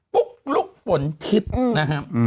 ปุ๊บลุกฝนทิศนะฮะอืม